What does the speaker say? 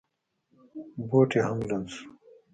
بوټ یې هم لوند شو.